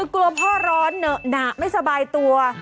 กลัวพ่อร้อนหนักไม่สบายตัว